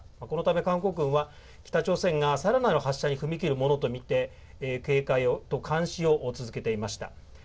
このため韓国軍は北朝鮮がさらなる発射に踏み切るものと見て警戒と監視を続けていました。